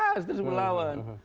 harus terus melawan